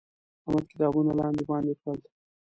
احمد کتابونه لاندې باندې کړل.